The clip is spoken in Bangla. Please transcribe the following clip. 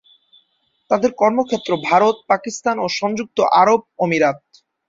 তাদের কর্মক্ষেত্র ভারত, পাকিস্তান ও সংযুক্ত আরব অমিরাত।